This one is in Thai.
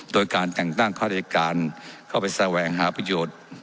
โดยการแต่งตั้งข้าราชการเข้าไปแสวงหาประโยชน์